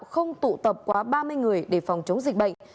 không tụ tập quá ba mươi người để phòng chống dịch bệnh